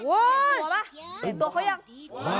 โอ้ยหัวปะเห็นตัวเค้ายัง